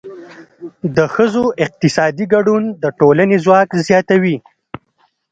د ښځو اقتصادي ګډون د ټولنې ځواک زیاتوي.